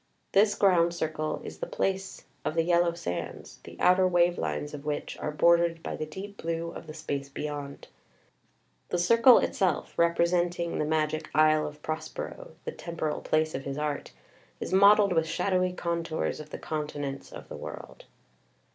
This ground circle is the place of the Yellow Sands, the outer wave lines of which are bordered by the deep blue of the space beyond. The circle itself, repre senting the magic isle of Prospero [the temporal place of his art], is mottled with shadowy contours of the continents of the world.